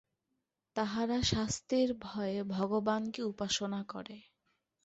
তাহারা শাস্তির ভয়ে ভগবানকে উপাসনা করে।